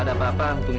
pak aku mau pergi